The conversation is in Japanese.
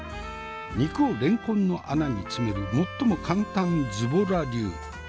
肉をレンコンの穴に詰める最も簡単ズボラ流！